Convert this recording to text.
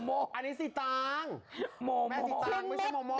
ไม่ใช่อันนั้นมันพี่สีตางก์อันนี้สีตางก์แฟนสีตางก์ไม่ใช่โมโม